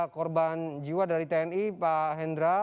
korban jiwa dari tni pak hendra